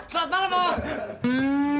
selamat malam om